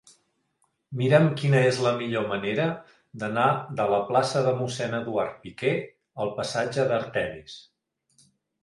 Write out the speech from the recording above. Mira'm quina és la millor manera d'anar de la plaça de Mossèn Eduard Piquer al passatge d'Artemis.